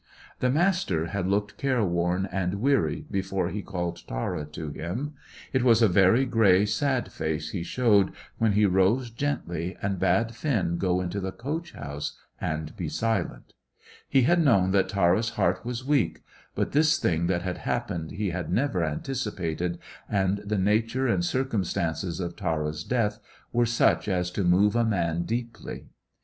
The Master had looked careworn and weary before he called Tara to him. It was a very grey, sad face he showed when he rose gently and bade Finn go into the coach house and be silent. He had known that Tara's heart was weak, but this thing that had happened he had never anticipated, and the nature and circumstances of Tara's death were such as to move a man deeply.